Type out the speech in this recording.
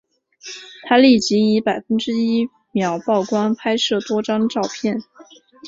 他立即以百分之一秒曝光拍摄多张照片。